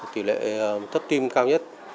tỷ lệ thấp tim cao nhất